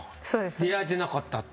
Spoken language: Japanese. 出会えてなかったっていう。